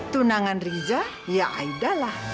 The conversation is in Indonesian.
tunangan riza ya aida lah